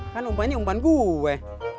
kan umpannya umpan gue